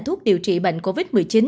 thuốc điều trị bệnh covid một mươi chín